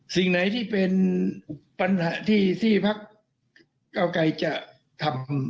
สิ่งไหนที่เป็นปัญหาที่ที่พักเก้าไกรจะทำ